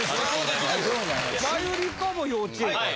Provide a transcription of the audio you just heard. マユリカも幼稚園から。